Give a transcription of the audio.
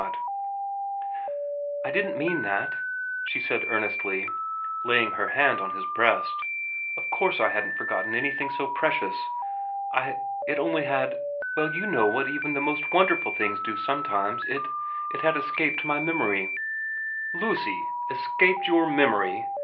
TIV VERA 157 ' I didn't mean that,' she said earnestly, laying her hand on his breast. ' Of course I hadn't forgotten anything so precious. It only had well, you know what even the most wonderful things do sometimes it it had escaped my memory.' ' Lucy ! Escaped your memory